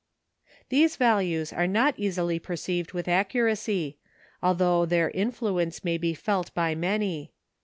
These values are not easily perceived with accuracy, although their influence may be felt by many.